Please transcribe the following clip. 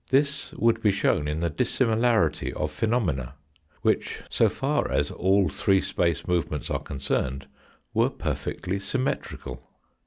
This would be shown in the dissimi larity of phenomena, which, so far as all three space movements are concerned, were perfectly symmetrical.